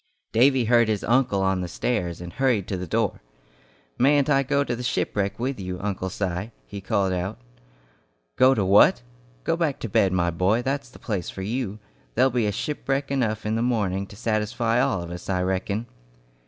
Davy heard his uncle on the stairs, and hurried to the door. "Mayn't I go to the shipwreck with you, Uncle Si?" he called out. "Go to what? Go back to bed, my boy, that's the place for you. There'll be shipwreck enough in the morning to satisfy all of us, I reckon."